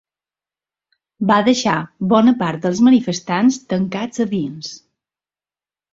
Va deixar bona part dels manifestants tancats a dins.